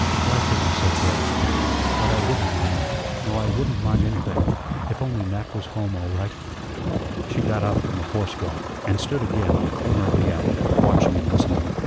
"Life isn't so gay. But I wouldn't mind, no I wouldn't mind anything, if only Mac was home all right." She got up from the horse block and stood again on the corner of the alley, watching and listening.